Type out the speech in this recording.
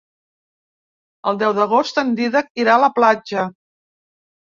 El deu d'agost en Dídac irà a la platja.